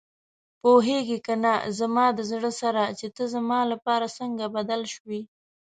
پوهېږې کنه زما د زړه سره چې ته زما لپاره څنګه بدل شوې.